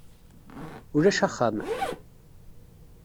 Ulac axxam.